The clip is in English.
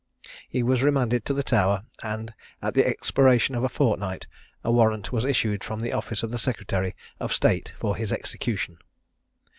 He was remanded to the Tower, and at the expiration of a fortnight a warrant was issued from the office of the secretary of state for his execution.